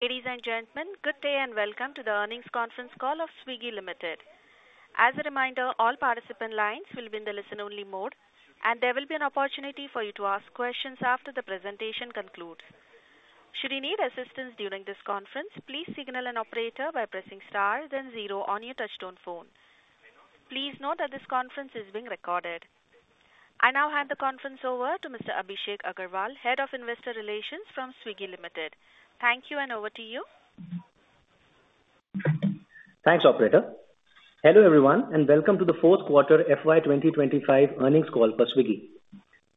Ladies and gentlemen, good day and welcome to the earnings conference call of Swiggy Limited. As a reminder, all participant lines will be in the listen-only mode, and there will be an opportunity for you to ask questions after the presentation concludes. Should you need assistance during this conference, please signal an operator by pressing star, then zero on your touchstone phone. Please note that this conference is being recorded. I now hand the conference over to Mr. Abhishek Agarwal, Head of Investor Relations from Swiggy Limited. Thank you, and over to you. Thanks, Operator. Hello everyone, and welcome to the Fourth Quarter FY 2025 Earnings Call for Swiggy.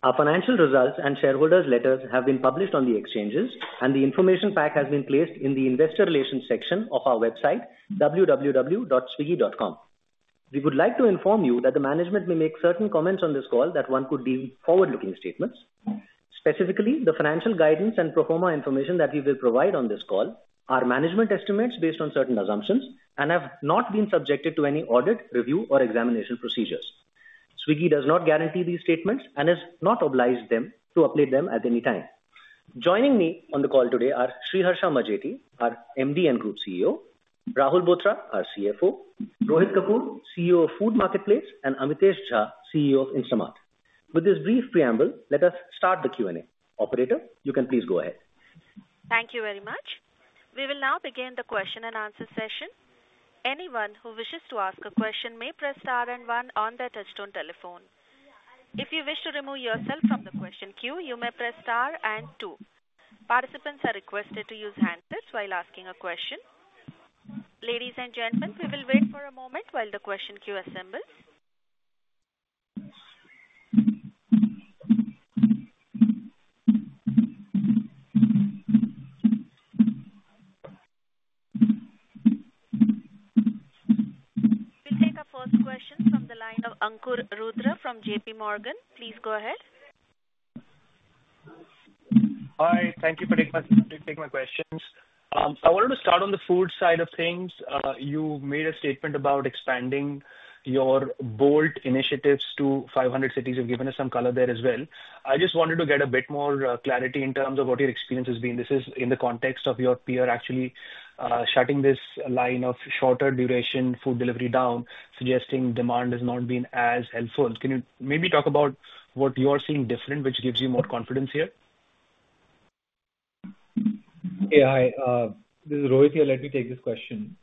Our financial results and shareholders' letters have been published on the exchanges, and the information pack has been placed in the investor relations section of our website, www.swiggy.com. We would like to inform you that the management may make certain comments on this call that one could deem forward-looking statements. Specifically, the financial guidance and proforma information that we will provide on this call are management estimates based on certain assumptions and have not been subjected to any audit, review, or examination procedures. Swiggy does not guarantee these statements and is not obliged to update them at any time. Joining me on the call today are Sriharsha Majety, our MD and Group CEO, Rahul Bothra, our CFO, Rohit Kapoor, CEO of Food Marketplace, and Amitesh Jha, CEO of Instamart. With this brief preamble, let us start the Q&A. Operator, you can please go ahead. Thank you very much. We will now begin the question and answer session. Anyone who wishes to ask a question may press star and one on their touchstone telephone. If you wish to remove yourself from the question queue, you may press star and two. Participants are requested to use handsets while asking a question. Ladies and gentlemen, we will wait for a moment while the question queue assembles. We'll take our first question from the line of Ankur Rudra from JP Morgan. Please go ahead. Hi, thank you for taking my questions. I wanted to start on the food side of things. You made a statement about expanding your Bolt initiatives to 500 cities. You have given us some color there as well. I just wanted to get a bit more clarity in terms of what your experience has been. This is in the context of your peer actually shutting this line of shorter duration food delivery down, suggesting demand has not been as helpful. Can you maybe talk about what you are seeing different, which gives you more confidence here? Yeah, hi. This is Rohit here. Let me take this question.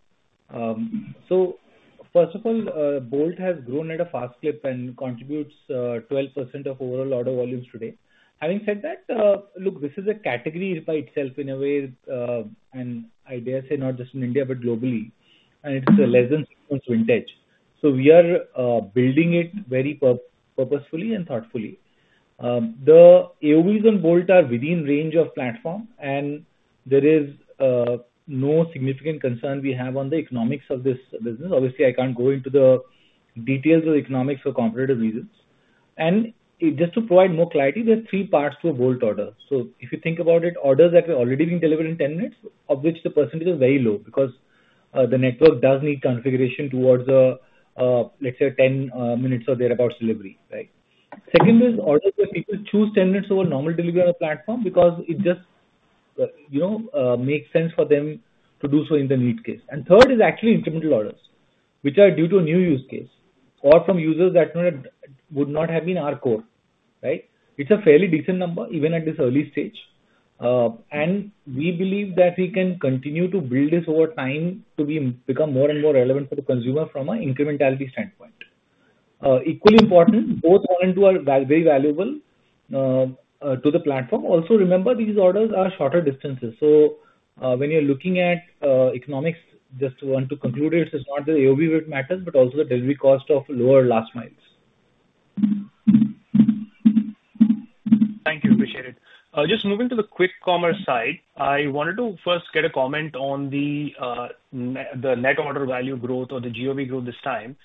First of all, Bolt has grown at a fast clip and contributes 12% of overall order volumes today. Having said that, look, this is a category by itself in a way, and I dare say not just in India but globally, and it is a lessons from its vintage. We are building it very purposefully and thoughtfully. The AOVs on Bolt are within range of platform, and there is no significant concern we have on the economics of this business. Obviously, I cannot go into the details of the economics for competitive reasons. Just to provide more clarity, there are three parts to a Bolt order. If you think about it, orders that were already being delivered in 10 minutes, of which the percentage is very low because the network does need configuration towards a, let's say, 10 minutes or thereabouts delivery, right? Second is orders where people choose 10 minutes over normal delivery on a platform because it just makes sense for them to do so in the need case. Third is actually incremental orders, which are due to a new use case or from users that would not have been our core, right? It's a fairly decent number even at this early stage, and we believe that we can continue to build this over time to become more and more relevant for the consumer from an incrementality standpoint. Equally important, both one and two are very valuable to the platform. Also, remember, these orders are shorter distances. When you're looking at economics, just want to conclude it, it's not the AOV that matters, but also the delivery cost of lower last miles. Thank you, I appreciate it. Just moving to the quick commerce side, I wanted to first get a comment on the net order value growth or the GOV growth this time.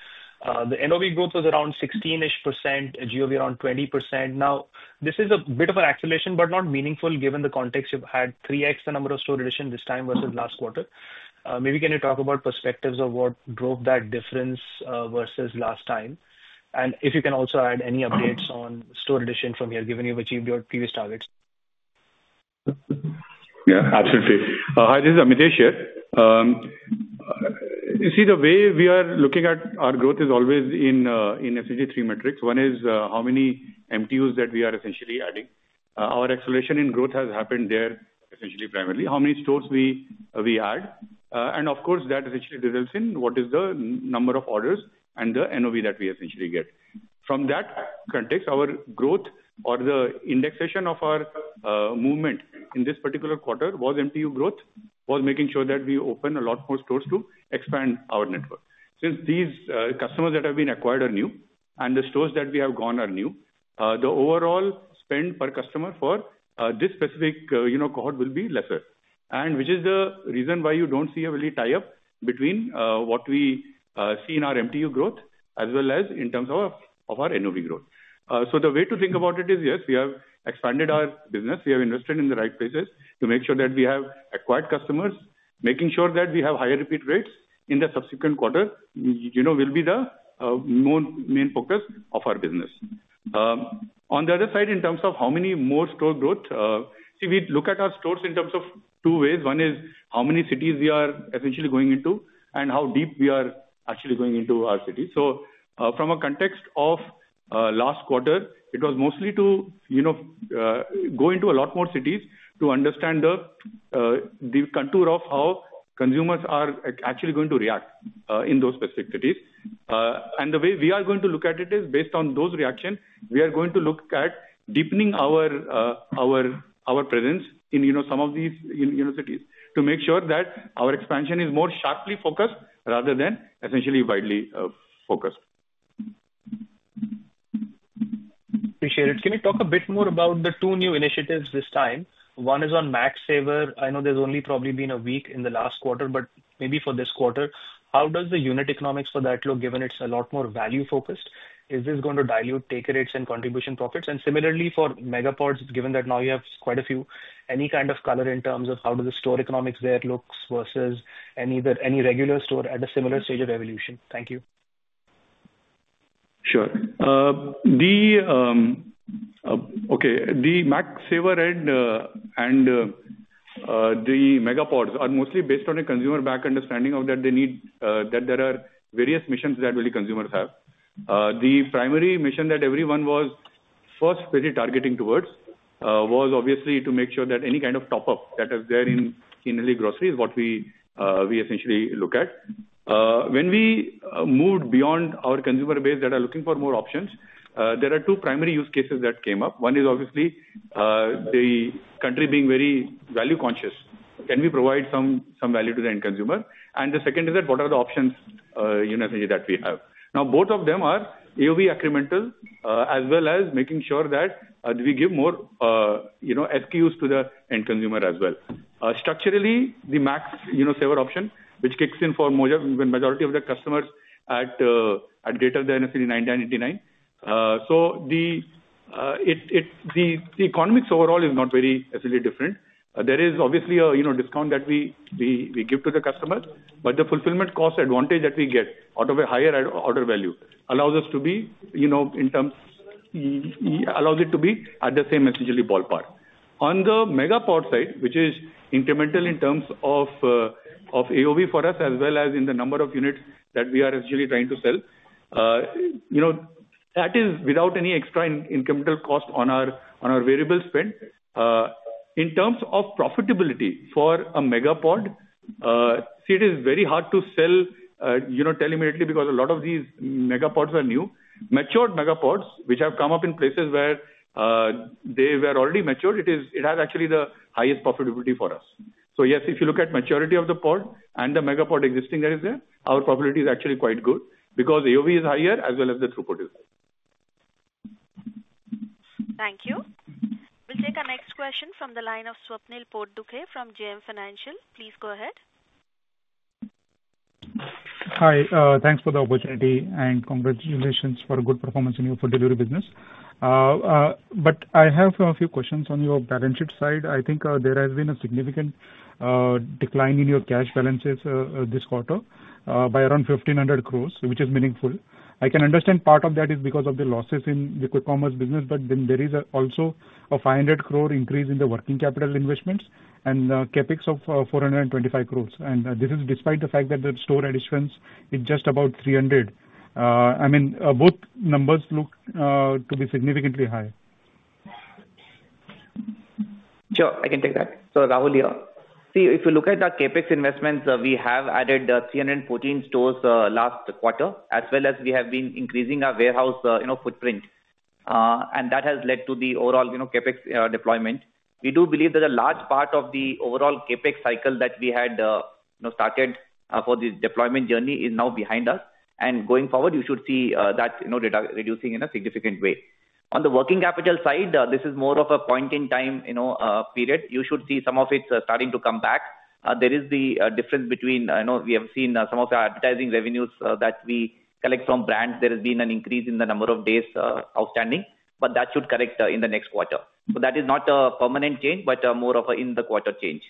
The NOV growth was around 16% ish, GOV around 20%. Now, this is a bit of an acceleration, but not meaningful given the context you've had, 3x the number of store additions this time versus last quarter. Maybe can you talk about perspectives of what drove that difference versus last time? If you can also add any updates on store addition from here, given you've achieved your previous targets. Yeah, absolutely. Hi, this is Amitesh Jha. You see, the way we are looking at our growth is always in essentially three metrics. One is how many MTUs that we are essentially adding. Our acceleration in growth has happened there essentially primarily, how many stores we add. Of course, that essentially results in what is the number of orders and the NOV that we essentially get. From that context, our growth or the indexation of our movement in this particular quarter was MTU growth, was making sure that we open a lot more stores to expand our network. Since these customers that have been acquired are new and the stores that we have gone are new, the overall spend per customer for this specific cohort will be lesser. Which is the reason why you do not see a really tie-up between what we see in our MTU growth as well as in terms of our NOV growth. The way to think about it is, yes, we have expanded our business. We have invested in the right places to make sure that we have acquired customers, making sure that we have higher repeat rates in the subsequent quarter will be the main focus of our business. On the other side, in terms of how many more store growth, see, we look at our stores in two ways. One is how many cities we are essentially going into and how deep we are actually going into our cities. From a context of last quarter, it was mostly to go into a lot more cities to understand the contour of how consumers are actually going to react in those specific cities. The way we are going to look at it is based on those reactions, we are going to look at deepening our presence in some of these cities to make sure that our expansion is more sharply focused rather than essentially widely focused. Abhishek, can you talk a bit more about the two new initiatives this time? One is on Maxxsaver. I know there's only probably been a week in the last quarter, but maybe for this quarter, how does the unit economics for that look given it's a lot more value-focused? Is this going to dilute take rates and contribution profits? Similarly for Megapods, given that now you have quite a few, any kind of color in terms of how does the store economics there look versus any regular store at a similar stage of evolution? Thank you. Sure. Okay, the Maxxsaver and the Megapods are mostly based on a consumer-back understanding of that there are various missions that really consumers have. The primary mission that everyone was first really targeting towards was obviously to make sure that any kind of top-up that is there in early groceries is what we essentially look at. When we moved beyond our consumer base that are looking for more options, there are two primary use cases that came up. One is obviously the country being very value-conscious. Can we provide some value to the end consumer? The second is that what are the options that we have? Now, both of them are AOV incremental as well as making sure that we give more SKUs to the end consumer as well. Structurally, the Maxxsaver option, which kicks in for the majority of the customers at grater than INR 999. The economics overall is not very different. There is obviously a discount that we give to the customer, but the fulfillment cost advantage that we get out of a higher order value allows us to be, in terms, allows it to be at the same essentially ballpark. On the Megapod side, which is incremental in terms of AOV for us as well as in the number of units that we are essentially trying to sell, that is without any extra incremental cost on our variable spend. In terms of profitability for a Megapod, see, it is very hard to sell telemeterically because a lot of these Megapods are new. Matured Megapods, which have come up in places where they were already matured, it has actually the highest profitability for us. Yes, if you look at maturity of the pod and the Megapod existing that is there, our profitability is actually quite good because AOV is higher as well as the throughput is. Thank you. We'll take our next question from the line of Swapnil Potdukhe from JM Financial. Please go ahead. Hi, thanks for the opportunity and congratulations for good performance in your food delivery business. I have a few questions on your balance sheet side. I think there has been a significant decline in your cash balances this quarter by around 1,500 crore, which is meaningful. I can understand part of that is because of the losses in the quick commerce business, there is also a 500 crore increase in the working capital investments and CapEx of 425 crore. This is despite the fact that the store additions, it's just about 300 crore. I mean, both numbers look to be significantly high. Sure, I can take that. So, Rahul here. See, if you look at our capex investments, we have added 314 stores last quarter as well as we have been increasing our warehouse footprint. That has led to the overall CapEx deployment. We do believe that a large part of the overall CapEx cycle that we had started for the deployment journey is now behind us. Going forward, you should see that reducing in a significant way. On the working capital side, this is more of a point-in-time period. You should see some of it starting to come back. There is the difference between we have seen some of our advertising revenues that we collect from brands. There has been an increase in the number of days outstanding, but that should correct in the next quarter. That is not a permanent change, but more of an in-the-quarter change.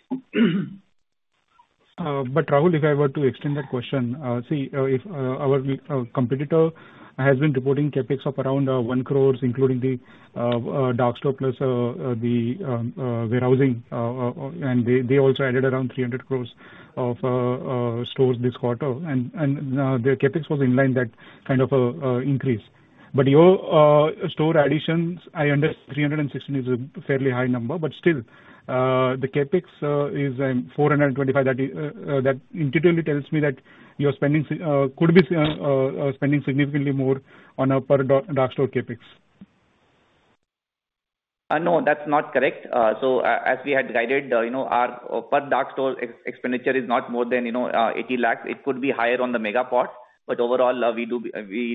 Rahul, if I were to extend that question, see, our competitor has been reporting CapEx of around 1 crore including the dark store plus the warehousing. They also added around 3,00 crore of stores this quarter. The CapEx was in line with that kind of an increase. Your store additions, I understand 316 is a fairly high number, but still, the CapEx is 4,25 crore. That indicatively tells me that you could be spending significantly more on a per dark store CapEx. No, that's not correct. As we had guided, our per dark store expenditure is not more than 80 lakh. It could be higher on the Megapod, but overall, we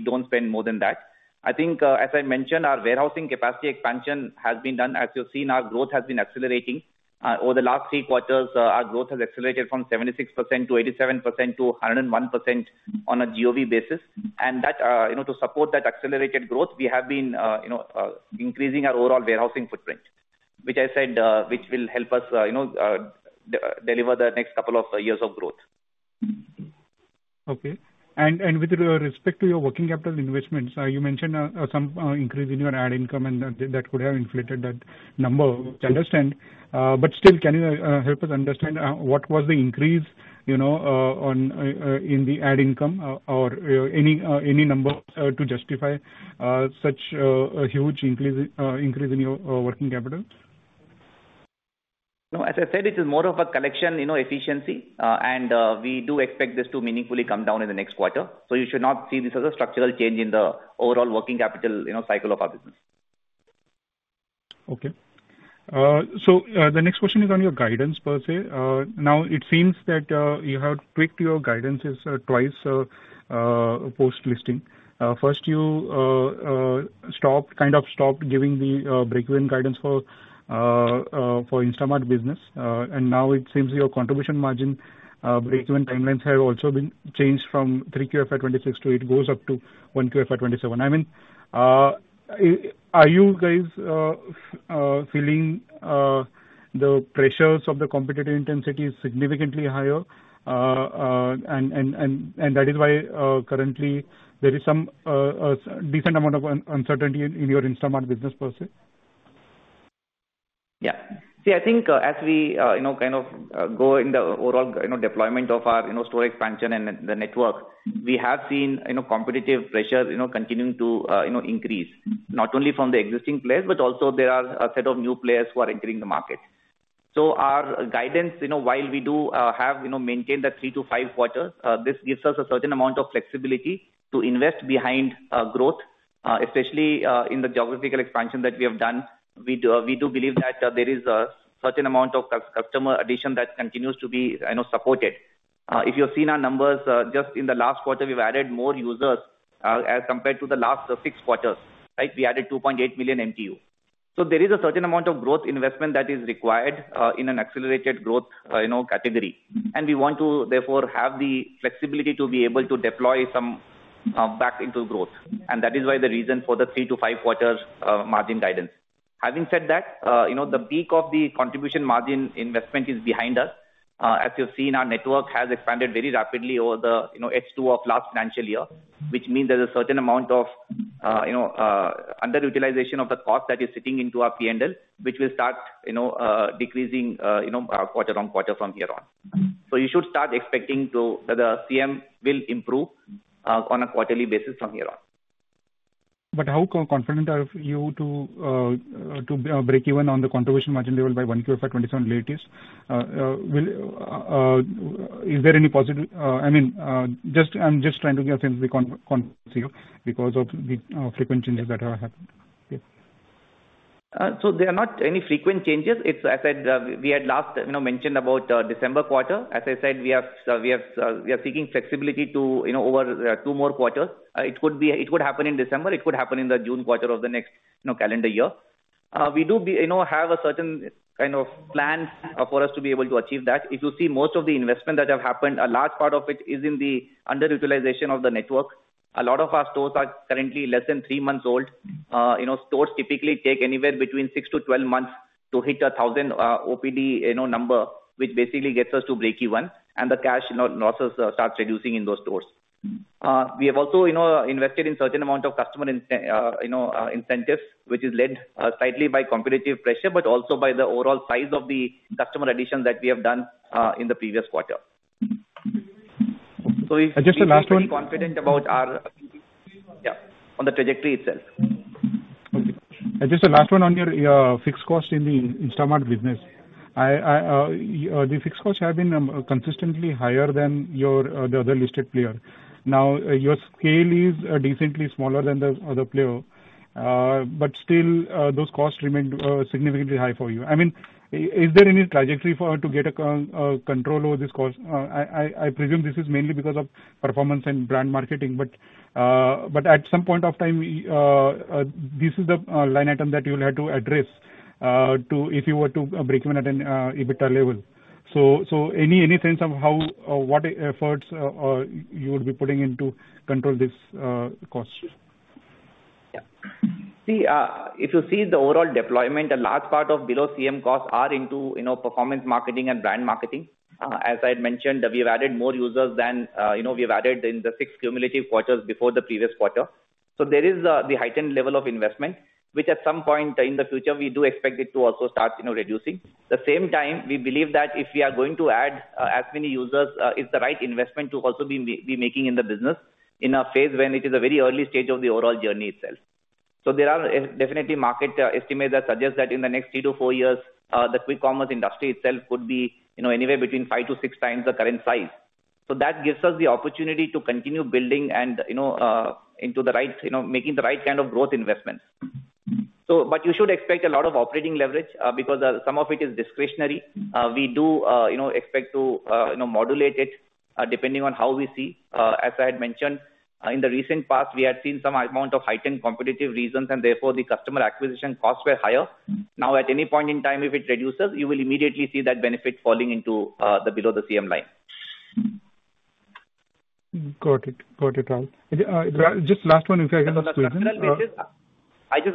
do not spend more than that. I think, as I mentioned, our warehousing capacity expansion has been done. As you have seen, our growth has been accelerating. Over the last three quarters, our growth has accelerated from 76% to 87% to 101% on a GOV basis. To support that accelerated growth, we have been increasing our overall warehousing footprint, which I said will help us deliver the next couple of years of growth. Okay. With respect to your working capital investments, you mentioned some increase in your ad income, and that could have inflated that number, which I understand. Still, can you help us understand what was the increase in the ad income or any number to justify such a huge increase in your working capital? No, as I said, it is more of a collection efficiency, and we do expect this to meaningfully come down in the next quarter. You should not see this as a structural change in the overall working capital cycle of our business. Okay. The next question is on your guidance per say. Now, it seems that you have tweaked your guidance twice post-listing. First, you kind of stopped giving the break-even guidance for Instamart business. Now it seems your contribution margin break-even timelines have also been changed from 3Q FY 2026 to it goes up to 1Q FY 2027. I mean, are you guys feeling the pressures of the competitive intensity is significantly higher? That is why currently there is some decent amount of uncertainty in your Instamart business per say? Yeah. See, I think as we kind of go in the overall deployment of our store expansion and the network, we have seen competitive pressure continuing to increase, not only from the existing players, but also there are a set of new players who are entering the market. Our guidance, while we do have maintained that three- to five-quarters, this gives us a certain amount of flexibility to invest behind growth, especially in the geographical expansion that we have done. We do believe that there is a certain amount of customer addition that continues to be supported. If you've seen our numbers, just in the last quarter, we've added more users as compared to the last six quarters, right? We added 2.8 million MTU. There is a certain amount of growth investment that is required in an accelerated growth category. We want to, therefore, have the flexibility to be able to deploy some back into growth. That is why the reason for the three- to five-quarter margin guidance. Having said that, the peak of the contribution margin investment is behind us. As you have seen, our network has expanded very rapidly over the H2 of last financial year, which means there is a certain amount of underutilization of the cost that is sitting into our P&L, which will start decreasing quarter on quarter from here on. You should start expecting that the CM will improve on a quarterly basis from here on. How confident are you to break even on the contribution margin level by 1Q FY 2027 latest? Is there any positive? I mean, I'm just trying to give a sense of the context here because of the frequent changes that have happened. There are not any frequent changes. As I said, we had last mentioned about December quarter. As I said, we are seeking flexibility to over two more quarters. It could happen in December. It could happen in the June quarter of the next calendar year. We do have a certain kind of plan for us to be able to achieve that. If you see most of the investment that have happened, a large part of it is in the underutilization of the network. A lot of our stores are currently less than three months old. Stores typically take anywhere between 6-12 months to hit a 1,000 OPD number, which basically gets us to break even, and the cash losses start reducing in those stores. We have also invested in a certain amount of customer incentives, which is led slightly by competitive pressure, but also by the overall size of the customer additions that we have done in the previous quarter. Just the last one. We're very confident about our, yeah, on the trajectory itself. Just the last one on your fixed cost in the Instamart business. The fixed costs have been consistently higher than the other listed player. Now, your scale is decently smaller than the other player, but still, those costs remain significantly high for you. I mean, is there any trajectory to get control over this cost? I presume this is mainly because of performance and brand marketing, but at some point of time, this is the line item that you'll have to address if you were to break even at an EBITDA level. Any sense of what efforts you would be putting into control this cost? Yeah. See, if you see the overall deployment, a large part of below CM costs are into performance marketing and brand marketing. As I had mentioned, we've added more users than we've added in the six cumulative quarters before the previous quarter. There is the heightened level of investment, which at some point in the future, we do expect it to also start reducing. At the same time, we believe that if we are going to add as many users, it's the right investment to also be making in the business in a phase when it is a very early stage of the overall journey itself. There are definitely market estimates that suggest that in the next three to four years, the quick commerce industry itself could be anywhere between five to six times the current size. That gives us the opportunity to continue building and into the right, making the right kind of growth investments. You should expect a lot of operating leverage because some of it is discretionary. We do expect to modulate it depending on how we see. As I had mentioned, in the recent past, we had seen some amount of heightened competitive reasons, and therefore, the customer acquisition costs were higher. Now, at any point in time, if it reduces, you will immediately see that benefit falling into the below the CM line. Got it. Got it, Rahul. Just last one, if I can ask you.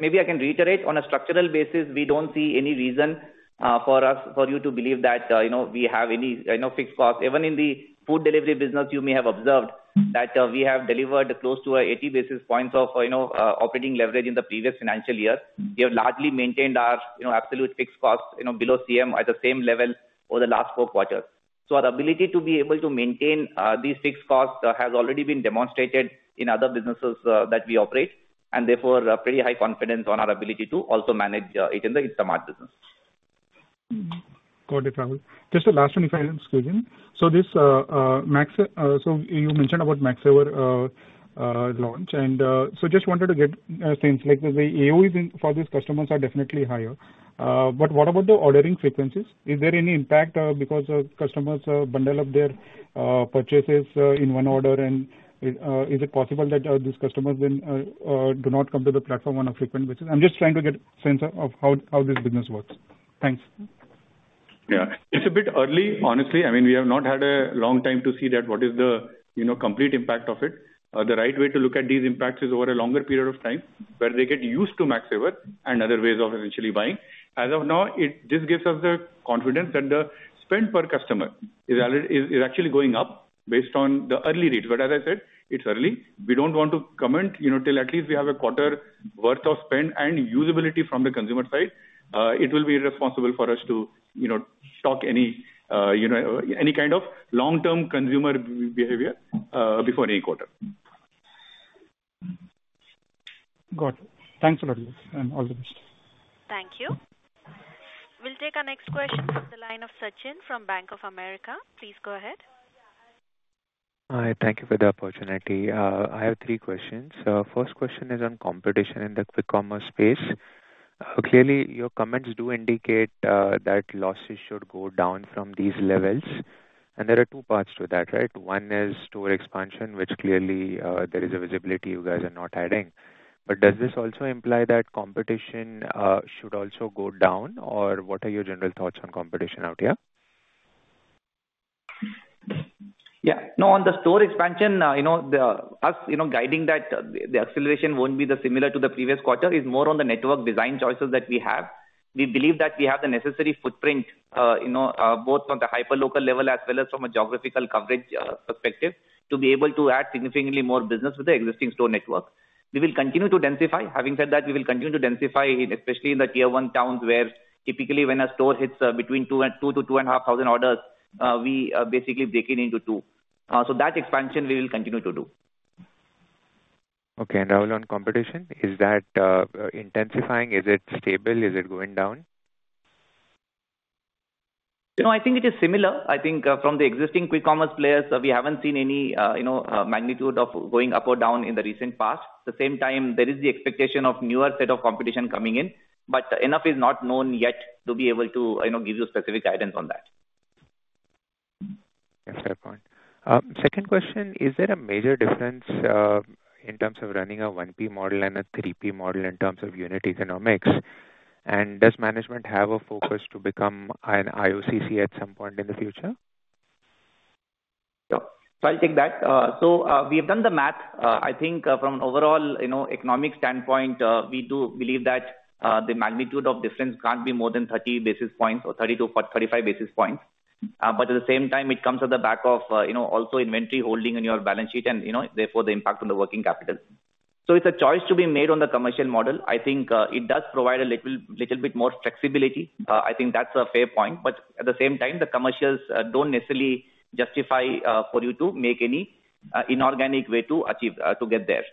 Maybe I can reiterate. On a structural basis, we do not see any reason for you to believe that we have any fixed costs. Even in the food delivery business, you may have observed that we have delivered close to 80 basis points of operating leverage in the previous financial year. We have largely maintained our absolute fixed costs below CM at the same level over the last four quarters. Our ability to be able to maintain these fixed costs has already been demonstrated in other businesses that we operate, and therefore, pretty high confidence on our ability to also manage it in the Instamart business. Got it, Rahul. Just the last one, if I have an exclusion. You mentioned about Maxxsaver launch. Just wanted to get a sense, like the AOV for these customers are definitely higher. What about the ordering frequencies? Is there any impact because customers bundle up their purchases in one order? Is it possible that these customers then do not come to the platform on a frequent basis? I'm just trying to get a sense of how this business works. Thanks. Yeah. It's a bit early, honestly. I mean, we have not had a long time to see what is the complete impact of it. The right way to look at these impacts is over a longer period of time where they get used to Maxxsaver and other ways of essentially buying. As of now, this gives us the confidence that the spend per customer is actually going up based on the early reads. As I said, it's early. We don't want to comment till at least we have a quarter worth of spend and usability from the consumer side. It will be responsible for us to stock any kind of long-term consumer behavior before any quarter. Got it. Thanks a lot, Rahul. All the best. Thank you. We'll take our next question from the line of Sachin from Bank of America. Please go ahead. Hi. Thank you for the opportunity. I have three questions. First question is on competition in the quick commerce space. Clearly, your comments do indicate that losses should go down from these levels. There are two parts to that, right? One is store expansion, which clearly there is a visibility you guys are not adding. Does this also imply that competition should also go down? What are your general thoughts on competition out here? Yeah. No, on the store expansion, us guiding that the acceleration will not be similar to the previous quarter is more on the network design choices that we have. We believe that we have the necessary footprint both on the hyperlocal level as well as from a geographical coverage perspective to be able to add significantly more business with the existing store network. We will continue to densify. Having said that, we will continue to densify, especially in the tier one towns where typically when a store hits between 2,000-2,500 orders, we basically break it into two. That expansion we will continue to do. Okay. Rahul, on competition, is that intensifying? Is it stable? Is it going down? No, I think it is similar. I think from the existing quick commerce players, we have not seen any magnitude of going up or down in the recent past. At the same time, there is the expectation of a newer set of competition coming in, but enough is not known yet to be able to give you specific guidance on that. Fair point. Second question, is there a major difference in terms of running a 1P model and a 3P model in terms of unit economics? Does management have a focus to become an IOCC at some point in the future? I'll take that. We have done the math. I think from an overall economic standpoint, we do believe that the magnitude of difference cannot be more than 30 basis points or 30-35 basis points. At the same time, it comes at the back of also inventory holding in your balance sheet and therefore the impact on the working capital. It is a choice to be made on the commercial model. I think it does provide a little bit more flexibility. I think that's a fair point. At the same time, the commercials do not necessarily justify for you to make any inorganic way to get there.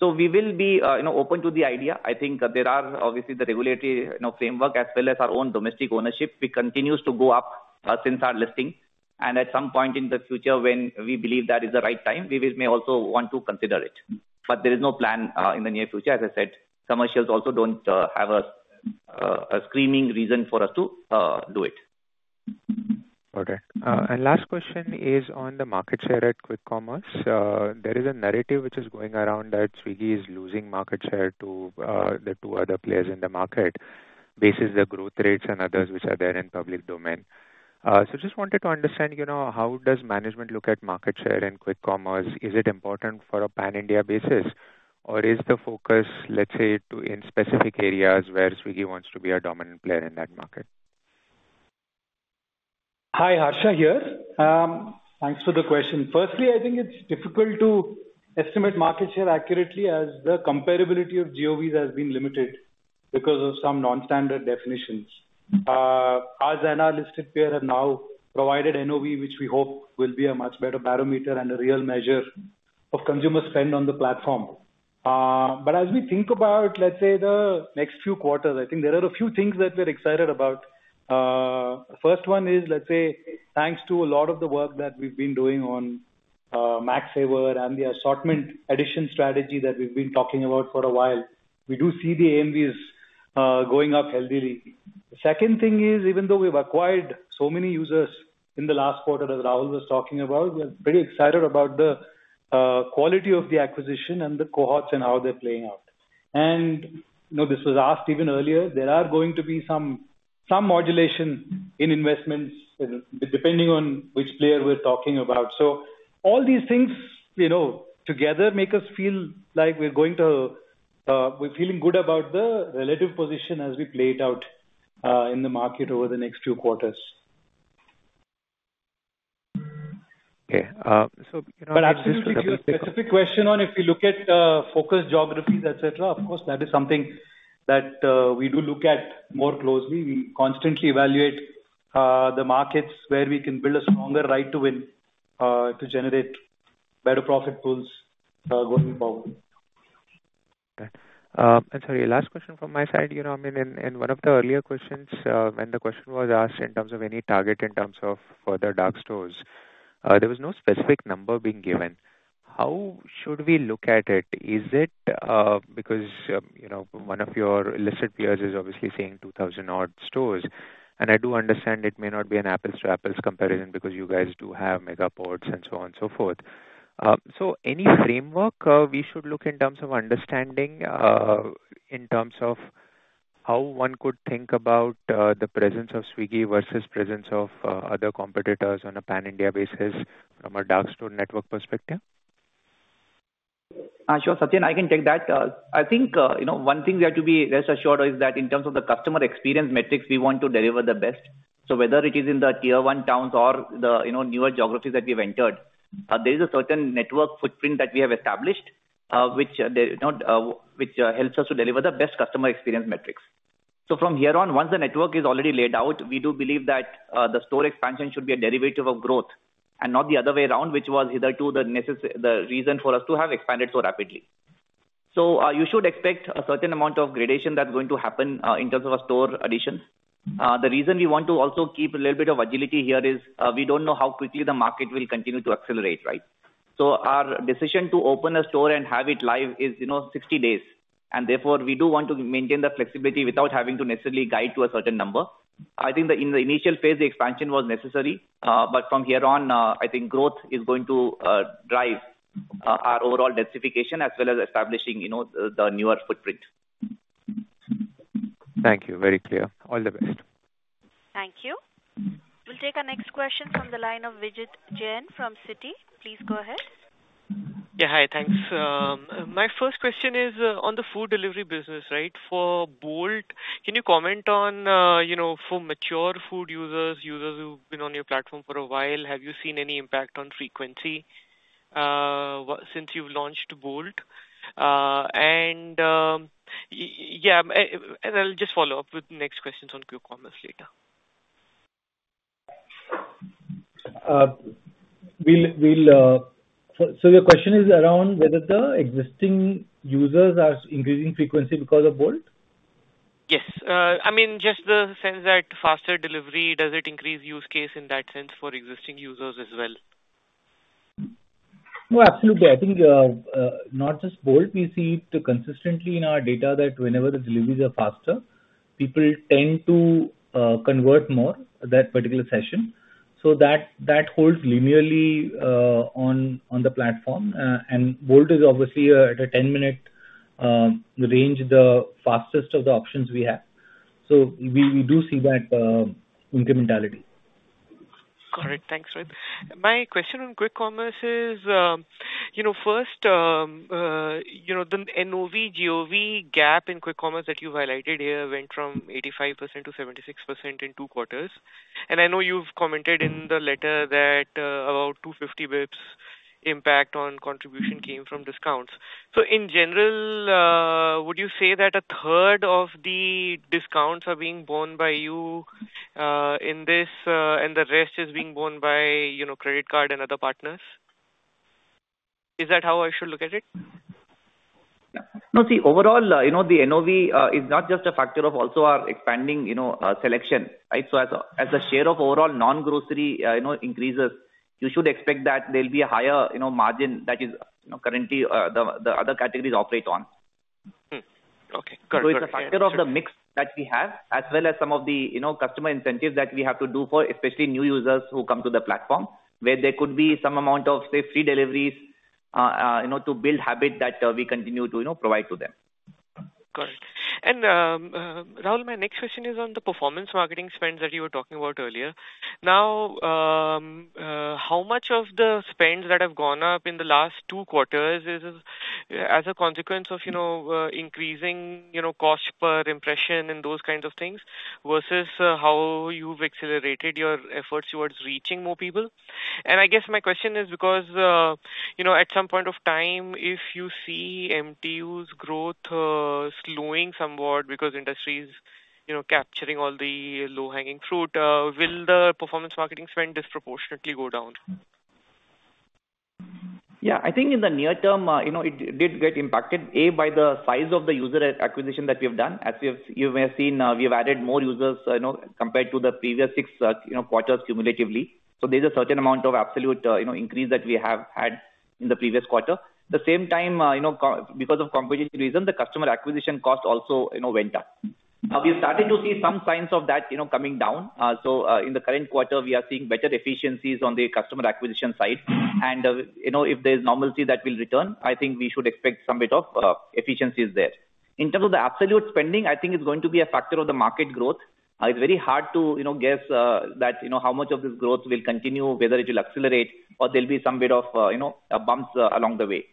We will be open to the idea. I think there are obviously the regulatory framework as well as our own domestic ownership. It continues to go up since our listing. At some point in the future, when we believe that is the right time, we may also want to consider it. There is no plan in the near future. As I said, commercials also do not have a screaming reason for us to do it. Okay. Last question is on the market share at quick commerce. There is a narrative which is going around that Swiggy is losing market share to the two other players in the market, basis the growth rates and others which are there in public domain. Just wanted to understand how does management look at market share in quick commerce? Is it important for a pan-India basis? Is the focus, let's say, in specific areas where Swiggy wants to be a dominant player in that market? Hi, Harsha here. Thanks for the question. Firstly, I think it's difficult to estimate market share accurately as the comparability of GOVs has been limited because of some non-standard definitions. Us and our listed peers have now provided NOV, which we hope will be a much better barometer and a real measure of consumer spend on the platform. As we think about, let's say, the next few quarters, I think there are a few things that we're excited about. First one is, let's say, thanks to a lot of the work that we've been doing on Maxxsaver and the assortment addition strategy that we've been talking about for a while, we do see the AOVs going up healthily. The second thing is, even though we've acquired so many users in the last quarter, as Rahul was talking about, we're pretty excited about the quality of the acquisition and the cohorts and how they're playing out. This was asked even earlier, there are going to be some modulation in investments depending on which player we're talking about. All these things together make us feel like we're going to be feeling good about the relative position as we play it out in the market over the next few quarters. Okay. So you know. Specific question on if we look at focus geographies, etc., of course, that is something that we do look at more closely. We constantly evaluate the markets where we can build a stronger right to win to generate better profit pools going forward. Okay. Sorry, last question from my side. I mean, in one of the earlier questions, when the question was asked in terms of any target in terms of further dark stores, there was no specific number being given. How should we look at it? Is it because one of your listed players is obviously seeing 2,000 odd stores? I do understand it may not be an apples-to-apples comparison because you guys do have Megapods and so on and so forth. Any framework we should look at in terms of understanding how one could think about the presence of Swiggy versus the presence of other competitors on a pan-India basis from a dark store network perspective? Sure. Sachin, I can take that. I think one thing we have to be less assured is that in terms of the customer experience metrics, we want to deliver the best. Whether it is in the tier one towns or the newer geographies that we've entered, there is a certain network footprint that we have established which helps us to deliver the best customer experience metrics. From here on, once the network is already laid out, we do believe that the store expansion should be a derivative of growth and not the other way around, which was either to the reason for us to have expanded so rapidly. You should expect a certain amount of gradation that's going to happen in terms of a store addition. The reason we want to also keep a little bit of agility here is we do not know how quickly the market will continue to accelerate, right? Our decision to open a store and have it live is 60 days. Therefore, we do want to maintain the flexibility without having to necessarily guide to a certain number. I think in the initial phase, the expansion was necessary. From here on, I think growth is going to drive our overall densification as well as establishing the newer footprint. Thank you. Very clear. All the best. Thank you. We'll take our next question from the line of Vijit Jain from Citi. Please go ahead. Yeah. Hi. Thanks. My first question is on the food delivery business, right? For Bolt, can you comment on for mature food users, users who've been on your platform for a while, have you seen any impact on frequency since you've launched Bolt? Yeah, I'll just follow up with next questions on quick commerce later. Your question is around whether the existing users are increasing frequency because of Bolt? Yes. I mean, just the sense that faster delivery, does it increase use case in that sense for existing users as well? Absolutely. I think not just Bolt. We see it consistently in our data that whenever the deliveries are faster, people tend to convert more that particular session. That holds linearly on the platform. Bolt is obviously at a 10-minute range, the fastest of the options we have. We do see that incrementality. All right. Thanks, Rahul. My question on quick commerce is, first, the NOV/GOV gap in quick commerce that you've highlighted here went from 85% to 76% in two quarters. I know you've commented in the letter that about 250 basis points impact on contribution came from discounts. In general, would you say that a third of the discounts are being borne by you in this and the rest is being borne by credit card and other partners? Is that how I should look at it? No, see, overall, the NOV is not just a factor of also our expanding selection, right? As the share of overall non-grocery increases, you should expect that there will be a higher margin that is currently the other categories operate on. Okay. Got it. It is a factor of the mix that we have as well as some of the customer incentives that we have to do for especially new users who come to the platform where there could be some amount of, say, free deliveries to build habit that we continue to provide to them. Got it. Rahul, my next question is on the performance marketing spends that you were talking about earlier. Now, how much of the spends that have gone up in the last two quarters is as a consequence of increasing cost per impression and those kinds of things versus how you've accelerated your efforts towards reaching more people? I guess my question is because at some point of time, if you see MTU's growth slowing somewhat because industry is capturing all the low-hanging fruit, will the performance marketing spend disproportionately go down? Yeah. I think in the near term, it did get impacted, A, by the size of the user acquisition that we've done. As you may have seen, we've added more users compared to the previous six quarters cumulatively. So there's a certain amount of absolute increase that we have had in the previous quarter. At the same time, because of competition reason, the customer acquisition cost also went up. Now, we've started to see some signs of that coming down. In the current quarter, we are seeing better efficiencies on the customer acquisition side. If there's normalcy that will return, I think we should expect some bit of efficiencies there. In terms of the absolute spending, I think it's going to be a factor of the market growth. It's very hard to guess how much of this growth will continue, whether it will accelerate or there'll be some bit of bumps along the way.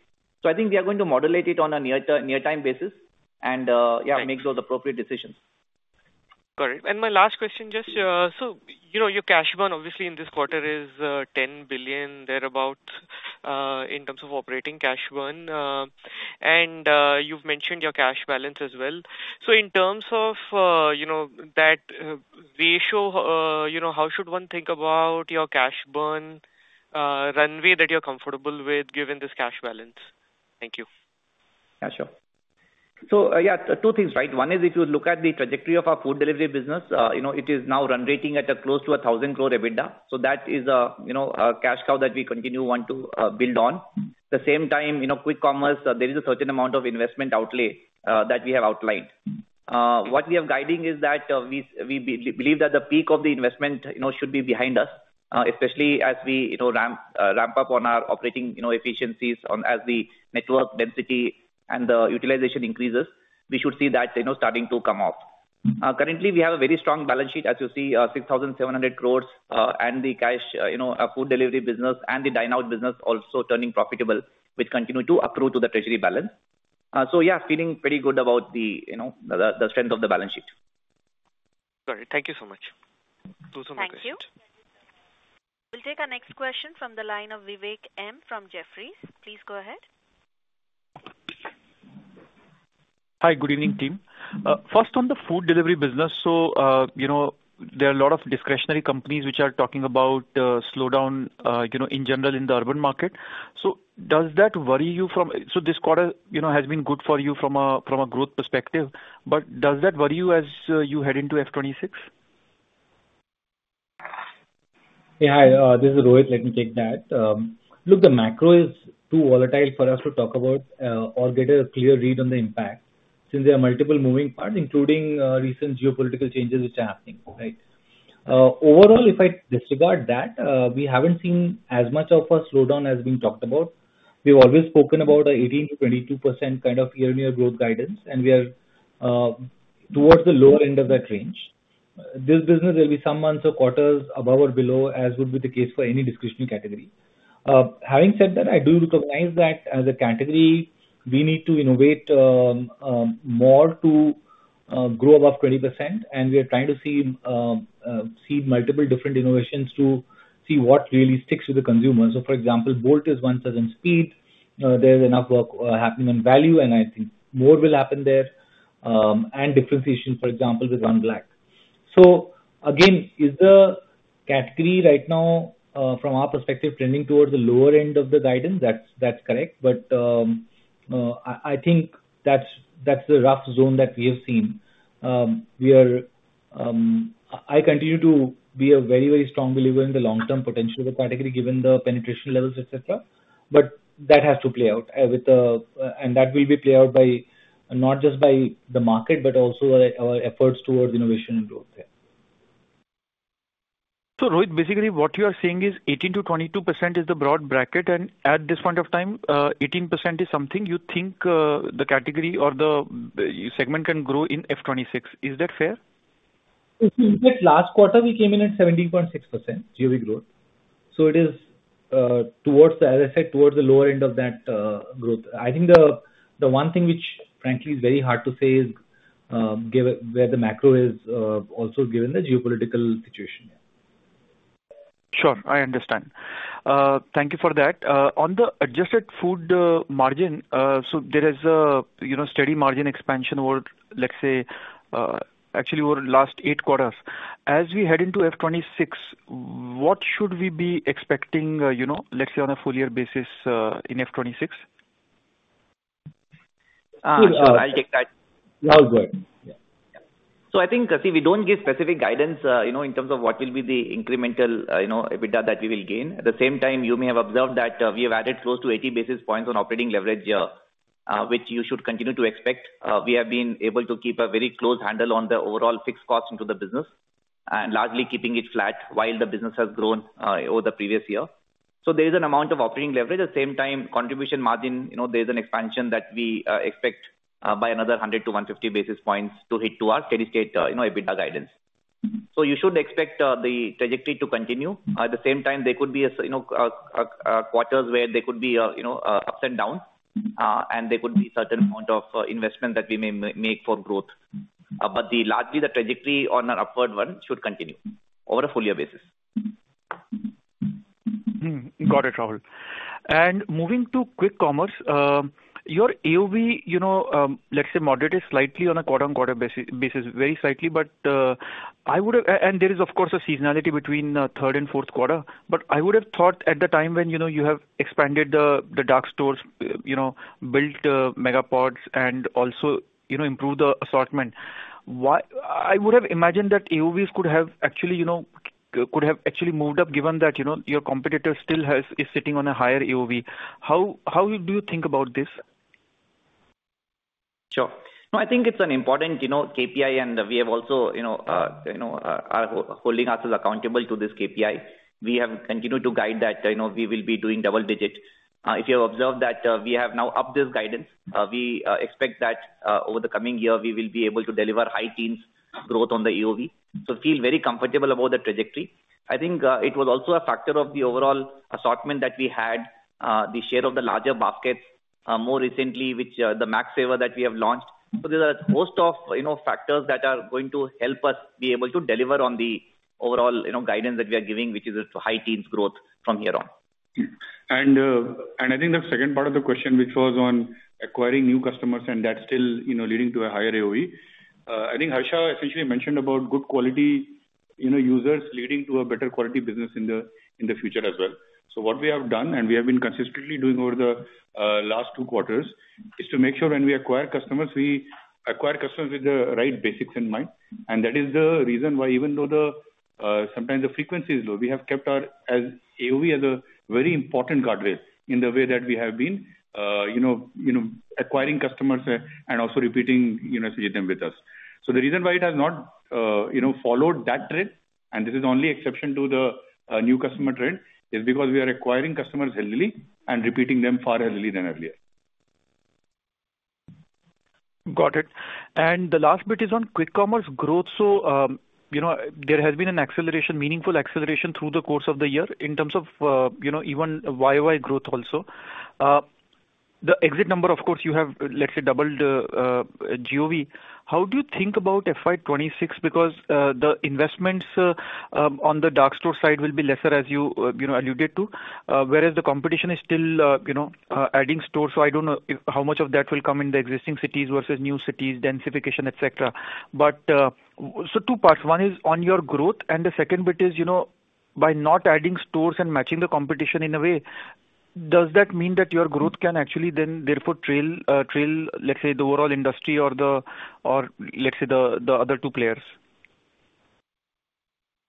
I think we are going to modulate it on a near-time basis and, yeah, make those appropriate decisions. Got it. My last question, just your cash burn, obviously, in this quarter is 10 billion thereabout in terms of operating cash burn. You have mentioned your cash balance as well. In terms of that ratio, how should one think about your cash burn runway that you are comfortable with given this cash balance? Thank you. Yeah, sure. Two things, right? One is if you look at the trajectory of our food delivery business, it is now run rating at close to 1,000 crore EBITDA. That is a cash cow that we continue to want to build on. At the same time, quick commerce, there is a certain amount of investment outlay that we have outlined. What we are guiding is that we believe that the peak of the investment should be behind us, especially as we ramp up on our operating efficiencies as the network density and the utilization increases. We should see that starting to come off. Currently, we have a very strong balance sheet, as you see, 6,700 crore, and the cash food delivery business and the Dineout business also turning profitable, which continue to accrue to the treasury balance. Yeah, feeling pretty good about the strength of the balance sheet. Got it. Thank you so much. Those are my questions. Thank you. We'll take our next question from the line of Vivek M from Jefferies. Please go ahead. Hi, good evening, team. First, on the food delivery business, there are a lot of discretionary companies which are talking about slowdown in general in the urban market. Does that worry you? This quarter has been good for you from a growth perspective, but does that worry you as you head into 2026? Yeah. Hi. This is Rohit. Let me take that. Look, the macro is too volatile for us to talk about or get a clear read on the impact since there are multiple moving parts, including recent geopolitical changes which are happening, right? Overall, if I disregard that, we have not seen as much of a slowdown as being talked about. We have always spoken about an 18%-22% kind of year-on-year growth guidance, and we are towards the lower end of that range. This business will be some months or quarters above or below, as would be the case for any discretionary category. Having said that, I do recognize that as a category, we need to innovate more to grow above 20%, and we are trying to see multiple different innovations to see what really sticks with the consumer. For example, Bolt is 1,000 speed. There's enough work happening on value, and I think more will happen there. Differentiation, for example, with One BLCK. Again, is the category right now, from our perspective, trending towards the lower end of the guidance? That's correct. I think that's the rough zone that we have seen. I continue to be a very, very strong believer in the long-term potential of the category given the penetration levels, etc., but that has to play out, and that will be played out not just by the market, but also our efforts towards innovation and growth there. Rohit, basically, what you are saying is 18%-22% is the broad bracket, and at this point of time, 18% is something you think the category or the segment can grow in FY 2026. Is that fair? If you look at last quarter, we came in at 17.6% GOV growth. It is, as I said, towards the lower end of that growth. I think the one thing which, frankly, is very hard to say is where the macro is also given the geopolitical situation. Sure. I understand. Thank you for that. On the adjusted food margin, so there is a steady margin expansion over, let's say, actually over the last eight quarters. As we head into FY 2026, what should we be expecting, let's say, on a full-year basis in FY 2026? I'll take that. That was good. Yeah. I think, see, we don't give specific guidance in terms of what will be the incremental EBITDA that we will gain. At the same time, you may have observed that we have added close to 80 basis points on operating leverage, which you should continue to expect. We have been able to keep a very close handle on the overall fixed cost into the business and largely keeping it flat while the business has grown over the previous year. There is an amount of operating leverage. At the same time, contribution margin, there is an expansion that we expect by another 100-150 basis points to hit to our steady-state EBITDA guidance. You should expect the trajectory to continue. At the same time, there could be quarters where there could be ups and downs, and there could be a certain amount of investment that we may make for growth. Largely, the trajectory on an upward one should continue over a full-year basis. Got it, Rahul. Moving to quick commerce, your AOV, let's say, moderated slightly on a quarter-on-quarter basis, very slightly, but I would have—and there is, of course, a seasonality between the third and fourth quarter—I would have thought at the time when you have expanded the dark stores, built Megapods, and also improved the assortment, I would have imagined that AOVs could have actually moved up given that your competitor still is sitting on a higher AOV. How do you think about this? Sure. No, I think it's an important KPI, and we have also held ourselves accountable to this KPI. We have continued to guide that we will be doing double-digit. If you have observed that we have now upped this guidance, we expect that over the coming year, we will be able to deliver high-teens growth on the AOV. I feel very comfortable about the trajectory. I think it was also a factor of the overall assortment that we had, the share of the larger baskets more recently, which the Max Saver that we have launched. There is a host of factors that are going to help us be able to deliver on the overall guidance that we are giving, which is high-teens growth from here on. I think the second part of the question, which was on acquiring new customers and that still leading to a higher AOV, I think Harishar essentially mentioned about good quality users leading to a better quality business in the future as well. What we have done, and we have been consistently doing over the last two quarters, is to make sure when we acquire customers, we acquire customers with the right basics in mind. That is the reason why, even though sometimes the frequency is low, we have kept our AOV as a very important guardrail in the way that we have been acquiring customers and also repeating them with us. The reason why it has not followed that trend, and this is the only exception to the new customer trend, is because we are acquiring customers heavily and repeating them far heavily than earlier. Got it. The last bit is on quick commerce growth. There has been a meaningful acceleration through the course of the year in terms of even YoY growth also. The exit number, of course, you have, let's say, doubled GOV. How do you think about FY 2026? Because the investments on the dark store side will be lesser, as you alluded to, whereas the competition is still adding stores. I do not know how much of that will come in the existing cities versus new cities, densification, etc. Two parts. One is on your growth, and the second bit is by not adding stores and matching the competition in a way, does that mean that your growth can actually then therefore trail, let's say, the overall industry or, let's say, the other two players?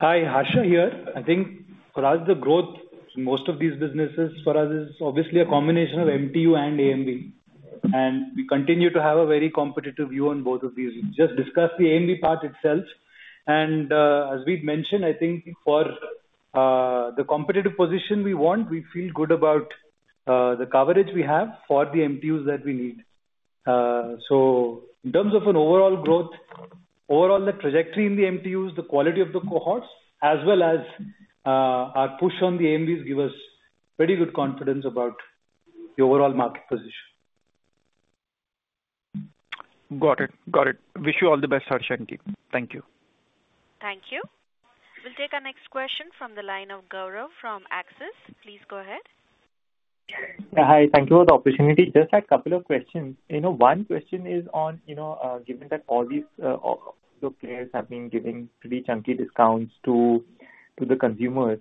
Hi, Harsha here. I think for us, the growth in most of these businesses for us is obviously a combination of MTU and AOV. We continue to have a very competitive view on both of these. We just discussed the AOV part itself. As we mentioned, I think for the competitive position we want, we feel good about the coverage we have for the MTUs that we need. In terms of overall growth, overall, the trajectory in the MTUs, the quality of the cohorts, as well as our push on the AOVs give us pretty good confidence about the overall market position. Got it. Got it. Wish you all the best, Harsha and team. Thank you. Thank you. We'll take our next question from the line of Gaurav from Axis. Please go ahead. Yeah. Hi. Thank you for the opportunity. Just a couple of questions. One question is on, given that all these players have been giving pretty chunky discounts to the consumers,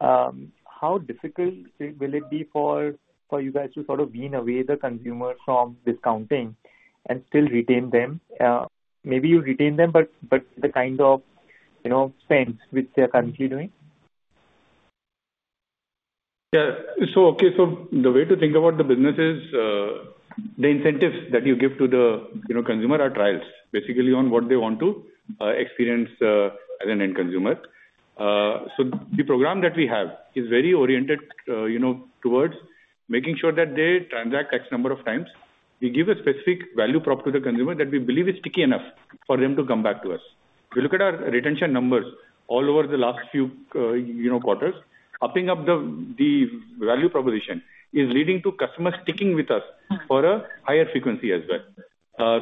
how difficult will it be for you guys to sort of wean away the consumer from discounting and still retain them? Maybe you retain them, but the kind of sense which they are currently doing? Yeah. Okay. The way to think about the business is the incentives that you give to the consumer are trials, basically, on what they want to experience as an end consumer. The program that we have is very oriented towards making sure that they transact X number of times. We give a specific value prop to the consumer that we believe is sticky enough for them to come back to us. You look at our retention numbers over the last few quarters, upping up the value proposition is leading to customers sticking with us for a higher frequency as well.